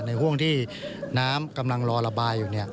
ห่วงที่น้ำกำลังรอระบายอยู่